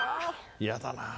嫌だなぁ。